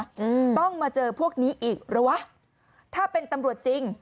อืมต้องมาเจอพวกนี้อีกหรือวะถ้าเป็นตำรวจจริง